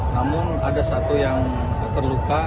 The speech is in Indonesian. namun ada satu yang terluka